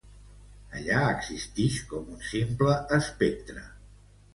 Allí existix com un simple espectre.